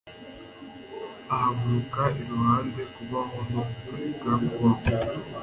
ahagarara iruhande kubaho no kureka kubaho